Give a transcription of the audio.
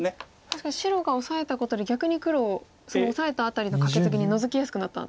確かに白がオサえたことで逆に黒そのオサえた辺りのカケツギにノゾきやすくなった。